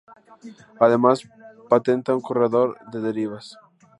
Además, patenta un corrector de derivas.